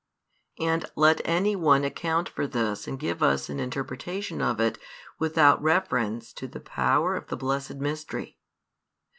And let any one account for this and give us an interpretation of it without reference to the power of the blessed mystery.